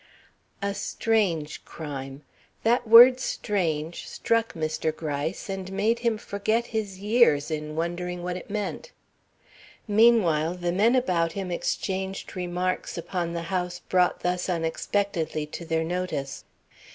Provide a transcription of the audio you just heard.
A strange crime! That word "strange" struck Mr. Gryce, and made him forget his years in wondering what it meant. Meanwhile the men about him exchanged remarks upon the house brought thus unexpectedly to their notice.